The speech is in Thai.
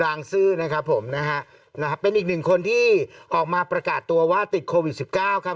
บรางซื่อนะครับผมนะครับเป็นอีกหนึ่งคนที่ออกมาประกาศตัวว่าติดโควิด๑๙ครับ